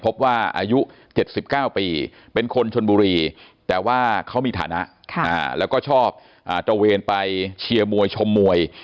พบว่าอายุ๗๙ปีเป็นคนชนบุรีแต่ว่าเขามีฐานะแล้วก็ชอบตระเวนไปเชียร์มวยชมมวย